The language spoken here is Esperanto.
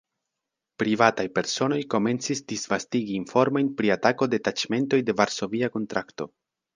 Privataj personoj komencis disvastigi informojn pri atako de taĉmentoj de Varsovia Kontrakto.